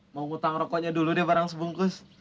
mau ngutang rokoknya dulu deh barang sebungkus